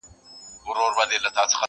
خو د سپي د ژوند موده وه پوره سوې،